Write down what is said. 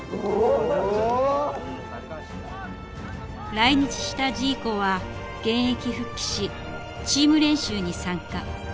来日したジーコは現役復帰しチーム練習に参加。